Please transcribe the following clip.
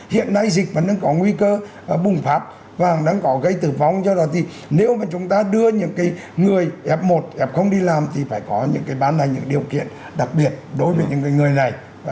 hiện nay dịch vẫn đang có nguy cơ bùng phát và đang có gây tử vong cho là thì nếu mà chúng ta đưa những cái người f một f đi làm thì phải có những cái bán lại những điều kiện đặc biệt đối với những cái người này